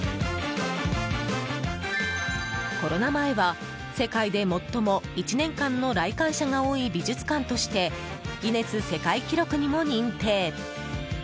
コロナ前は、世界で最も１年間の来館者が多い美術館としてギネス世界記録にも認定。